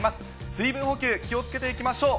水分補給、気をつけていきましょう。